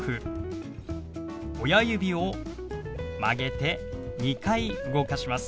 親指を曲げて２回動かします。